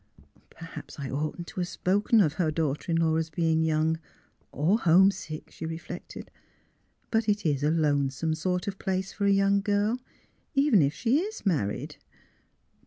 Perhaps I oughtn't to have spoken of her daughter in law as being young or — homesick," she reflected. '' But it is a lonesome sort of place for a young girl, even if she is married."